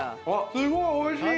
すごいおいしい！